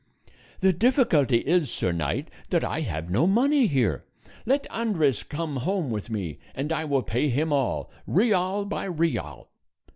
"The difficulty is, Sir Knight, that I have no money here; let Andres come home with me, and I will pay him all, real by real."